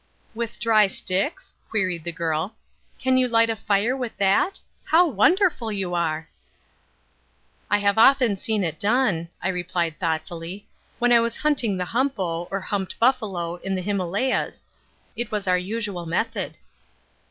"With dry sticks?" queried the girl. "Can you light a fire with that? How wonderful you are!" "I have often seen it done," I replied thoughtfully; "when I was hunting the humpo, or humped buffalo, in the Himalayas, it was our usual method."